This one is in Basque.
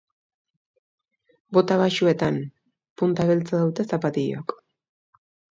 Bota baxuetan, punta beltza dute zapatilok.